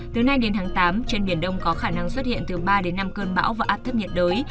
từ nay đến tháng tám trên biển đông có khả năng xuất hiện từ ba đến năm cơn bão và áp thấp nhiệt đới